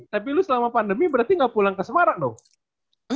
tapi lu selama pandemi berarti nggak pulang ke semarang dong